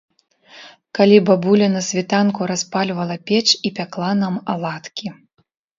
Калі бабуля на світанку распальвала печ і пякла нам аладкі.